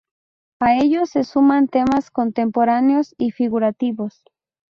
A ellos se suman temas contemporáneos y figurativos.